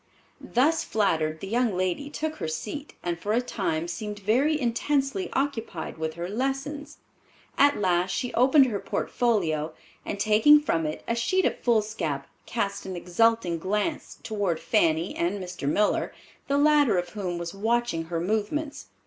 Thus flattered, the young lady took her seat and for a time seemed very intensely occupied with her lessons. At last she opened her portfolio and, taking from it a sheet of foolscap, cast an exulting glance toward Fanny and Mr. Miller, the latter of whom was watching her movements.